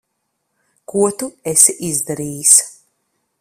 Ko tu esi izdarījis?